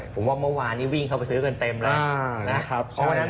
ผมว่าเมื่อวานนี้วิ่งเข้าไปซื้อเงินเต็มเลย